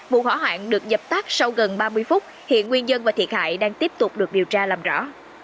vụ hỏa hoạn được dập tắt sau gần ba mươi phút hiện nguyên nhân và thiệt hại đang tiếp tục được điều tra làm rõ